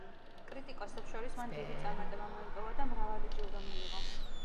კრიტიკოსებს შორის მან დიდი წარმატება მოიპოვა და მრავალი ჯილდო მიიღო.